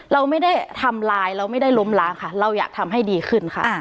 เราไม่ได้ทำลายเราไม่ได้ล้มล้างค่ะเราอยากทำให้ดีขึ้นค่ะ